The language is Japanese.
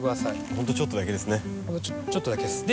ほんとちょっとだけですね。